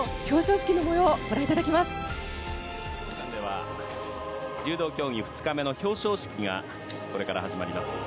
日本武道館では柔道競技２日目の表彰式がこれから始まります。